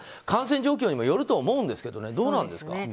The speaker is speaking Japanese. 感染状況にもよると思うんですけどね。